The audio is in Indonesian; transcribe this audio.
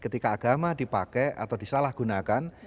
ketika agama dipakai atau disalahgunakan